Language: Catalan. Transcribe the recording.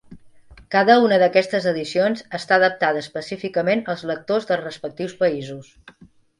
Cada una d'aquestes edicions està adaptada específicament als lectors dels respectius països.